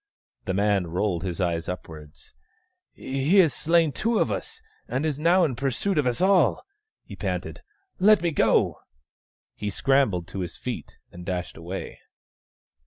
The man rolled his eyes upwards. " He has slain two of us, and is now in pursuit of us all," he panted. " Let me go !" He scrambled to his feet and dashed away.